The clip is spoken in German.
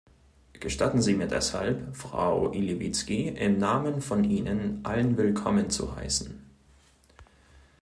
Gestatten Sie mir deshalb, Frau Ilivitzky im Namen von Ihnen allen willkommen zu heißen.